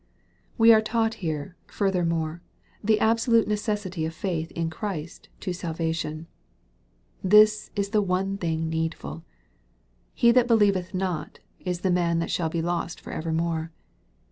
We are taught here, furthermore, the absolute necessity of faith in Christ to salvation. This is the one thing needful. " He that believeth not" is the man that shall be lost for evermore.